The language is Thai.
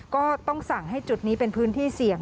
ก็ต้องสั่งให้จุดนี้เป็นพื้นที่เสี่ยง